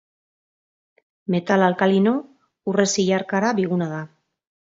Metal alkalino urre-zilarkara biguna da.